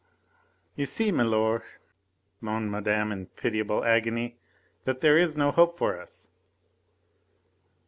"You see, milor," moaned Madame in pitiable agony, "that there is no hope for us."